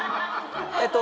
えっと。